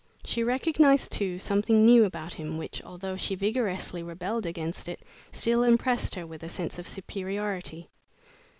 She recognized, too, something new about him which, although she vigorously rebelled against it, still impressed her with a sense of superiority.